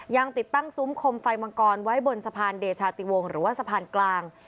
ยังติดตั้งซุ้มคมไฟมังกรไว้บนสะพานเดชาติวงหรือว่าสะพานกลาง